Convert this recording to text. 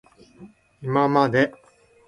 いままで